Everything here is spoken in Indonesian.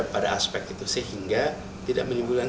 pada aspek itu sehingga tidak menimbulkan